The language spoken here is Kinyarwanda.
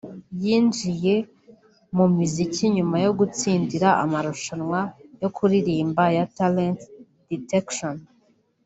yinjiye mu muziki nyuma yo gutsindira amarushanwa yo kuririmba ya Talent Detection